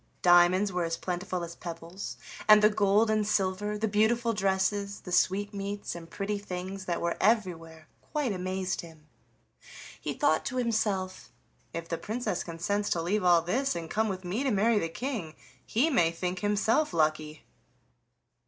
Diamonds were as plentiful as pebbles, and the gold and silver, the beautiful dresses, the sweetmeats and pretty things that were everywhere quite amazed him; he thought to himself: "If the Princess consents to leave all this, and come with me to marry the King, he may think himself lucky!"